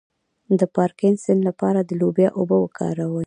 د پارکینسن لپاره د لوبیا اوبه وکاروئ